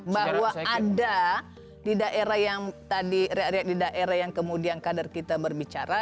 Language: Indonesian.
bahwa ada di daerah yang kemudian kader kita berbicara